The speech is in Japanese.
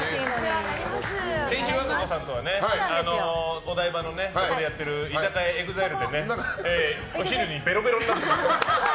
先週、和歌子さんとはお台場のそこでやってる居酒屋えぐざいるでお昼にベロベロになってました。